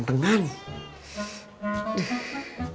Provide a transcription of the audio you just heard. ketemu rumahnya adam